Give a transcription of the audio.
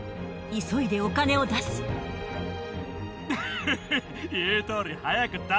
急いでお金を出す。ウヘヘ！